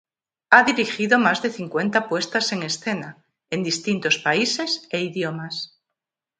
Ha dirigido más de cincuenta puestas en escena, en distintos países e idiomas.